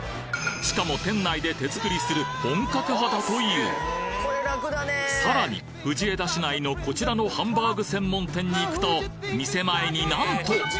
しかも店内で手作りする本格派だというさらに藤枝市内のこちらのハンバーグ専門店に行くと店前になんと！